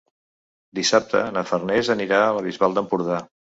Dissabte na Farners anirà a la Bisbal d'Empordà.